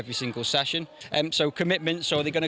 อย่างเช่นถ้าเกิดเกิด๖๗นิ้ว